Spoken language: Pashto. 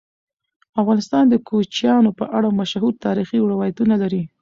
افغانستان د کوچیانو په اړه مشهور تاریخی روایتونه لري.